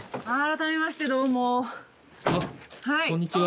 あっこんにちは。